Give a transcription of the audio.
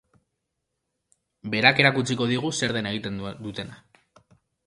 Berak erakutsiko digu zer den egiten dutena.